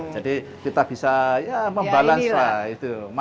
jadi kita bisa ya membalansi